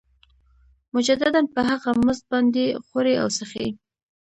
مجدداً په هغه مزد باندې خوري او څښي